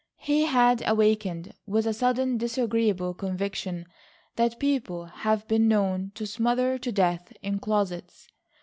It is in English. He had awakened with a sudden disagreeable conviction that people have been known to smother to death in closets.